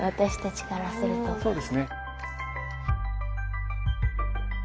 そうですね。